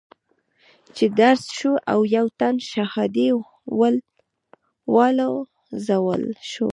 چې درز شو او يو تن شهادي والوزول شو.